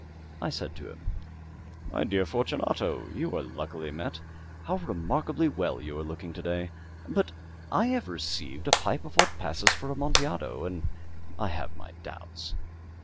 I said to him "My dear Fortunato, you are luckily met. How remarkably well you are looking to day! But I have received a pipe of what passes for Amontillado, and I have my doubts."